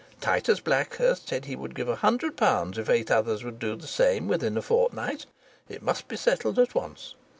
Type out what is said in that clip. Titus Blackhurst said he would give a hundred pounds if eight others would do the same within a fortnight it must be settled at once.